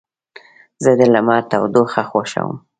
زه د لمر تودوخه خوښوم.